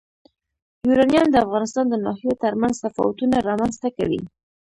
یورانیم د افغانستان د ناحیو ترمنځ تفاوتونه رامنځ ته کوي.